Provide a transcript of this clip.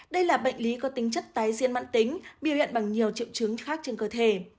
đây là bệnh lý có tính chất tái diễn mãn tính biểu hiện bằng nhiều triệu chứng khác trên cơ thể